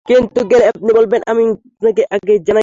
কিন্তু গেলে আপনি বলবেন কেন আমি আপনাকে আগে জানাইনি।